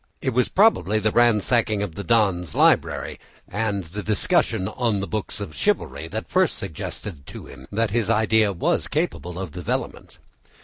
It was probably the ransacking of the Don's library and the discussion on the books of chivalry that first suggested it to him that his idea was capable of development.